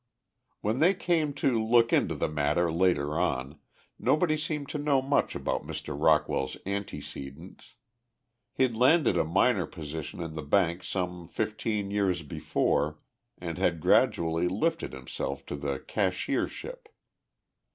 When they came to look into the matter later on, nobody seemed to know much about Mr. Rockwell's antecedents. He'd landed a minor position in the bank some fifteen years before and had gradually lifted himself to the cashiership.